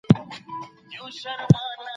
ابن خلدون د اسلامي نړۍ يو لوی عالم دی.